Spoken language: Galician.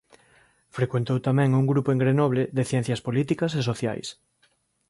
Frecuentou tamén un grupo en Grenoble de ciencias políticas e sociais.